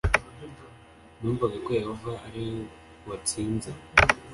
Numvaga ko Yehova ari we watsinze